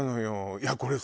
いやこれさ